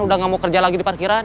udah gak mau kerja lagi di parkiran